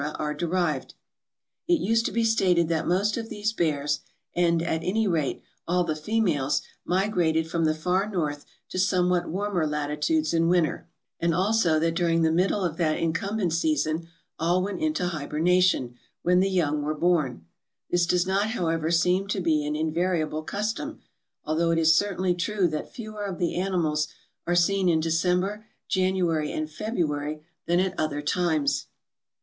are derived. It used to be stated that most of these bears, and, at any VOL. VI. — 32 482 TRAVELERS AND EXPLORERS rate, all the females, migrated from the far north to somewhat warmer latitudes in winter; and also that during the middle of that inclement season all went into hibernation, when the young were born. This does not, however, seem to be an in variable custom, although it is certainly true that fewer of the animals are seen in December, January, and February than at other times.